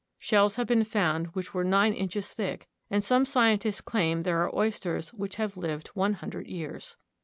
Shells have been found which were nine inches thick, and some scientists claim there are oysters which have lived one hundred years.